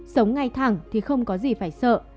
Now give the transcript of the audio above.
sống ngay thẳng thì không có gì phải sợ